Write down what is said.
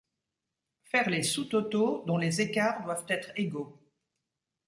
Faire les sous-totaux dont les écarts doivent être égaux.